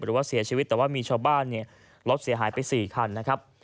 หรือว่าเสียชีวิตแต่ว่ามีชาวบ้านเนี่ยรถเสียหายไป๔คันนะครับ